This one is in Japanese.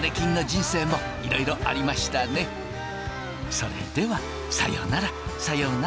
それではさよならさよなら。